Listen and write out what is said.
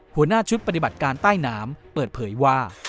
หัวหน้าชุดปฏิบัติการใต้น้ำเปิดเผยว่า